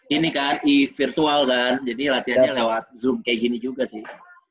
ini kri virtual kan jadi latihannya lewat zoom kayak gini juga sih